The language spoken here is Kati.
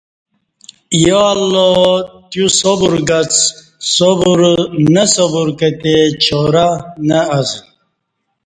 یا اللہ تیو صبر گڅ نہ صبر کتی چارہ نہ ازہ